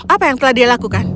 apa yang telah dia lakukan